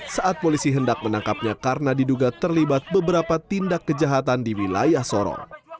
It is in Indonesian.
saat polisi hendak menangkapnya karena diduga terlibat beberapa tindak kejahatan di wilayah sorong